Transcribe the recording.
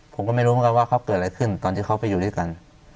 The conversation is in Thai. ผมก็ไม่รู้เหมือนกันว่าเขาเกิดอะไรขึ้นตอนที่เขาไปอยู่ด้วยกัน